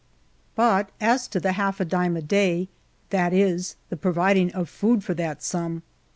But as to the half dime a day : that is, the providing of food for that sum.